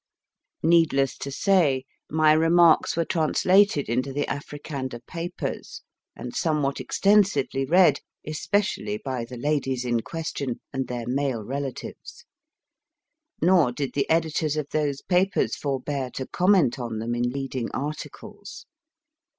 Needless to say, my remarks were translated into the Africander papers, and somewhat ex tensively read, especially by the ladies in question and their male relatives ; nor did the editors of those papers forbear to comment on them in leading articles.